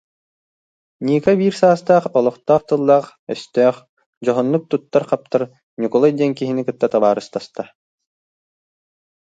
Ника биир саастаах, олохтоох тыллаах-өстөөх, дьоһуннук туттар-хаптар Ньукулай диэн киһини кытта табаарыстаста